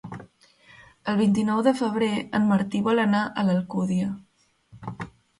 El vint-i-nou de febrer en Martí vol anar a l'Alcúdia.